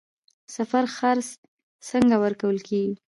د سفر خرڅ څنګه ورکول کیږي؟